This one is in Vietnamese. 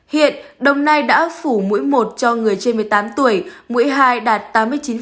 hiện đồng nai đã phủ mũi một cho người trên một mươi tám tuổi mũi hai đạt tám mươi chín